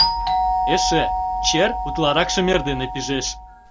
Эше: чер утларакшым эрдене пижеш.